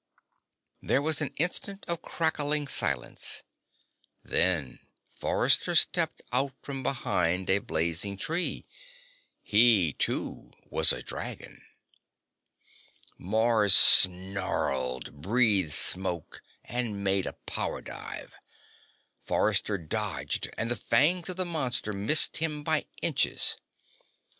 There was an instant of crackling silence. Then Forrester stepped out from behind a blazing tree. He, too, was a dragon. Mars snarled, breathed smoke and made a power dive. Forrester dodged and the fangs of the monster missed him by inches.